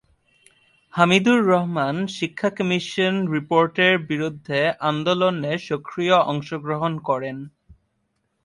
হামিদুর রহমান শিক্ষা কমিশন রিপোর্টের বিরুদ্ধে আন্দোলনে সক্রিয় অংশগ্রহণ করেন।